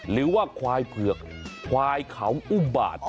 หรือว่าควายเผือกควายเขาอุ้มบาท